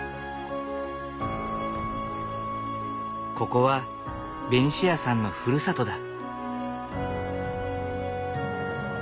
ここはベニシアさんのふるさとだ。